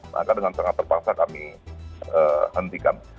maka dengan sangat terpaksa kami hentikan